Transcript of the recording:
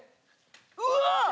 うわっ！